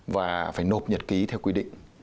và phải nộp nhật ký theo quy định